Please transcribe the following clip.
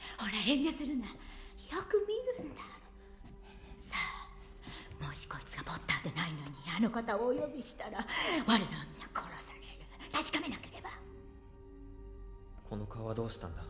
遠慮するなよく見るんださあもしこいつがポッターでないのにあの方をお呼びしたら我らは皆殺される確かめなければこの顔はどうしたんだ？